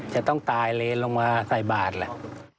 จะต้องตายเลนลงมาใส่บาทแหละ